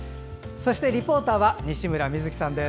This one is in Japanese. そして、リポーターは西村美月さんです。